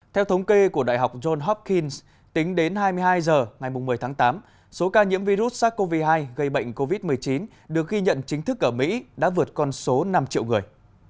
theo thống kê của đại học john hopkins tính đến hai mươi hai h ngày một mươi tháng tám số ca nhiễm virus sars cov hai gây bệnh covid một mươi chín được ghi nhận chính thức ở mỹ đã vượt con số năm triệu người